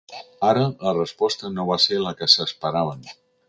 Ara, la resposta no va ser la que s’esperaven.